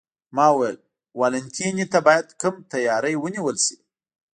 ما وویل: والنتیني ته باید کوم تیاری ونیول شي؟